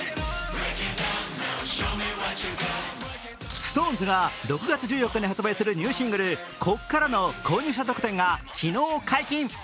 ＳｉｘＴＯＮＥＳが６月１４日に発売するニューシングル、「こっから」の購入者特典が昨日解禁。